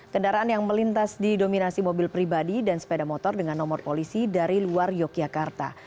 kendaraan yang melintas didominasi mobil pribadi dan sepeda motor dengan nomor polisi dari luar yogyakarta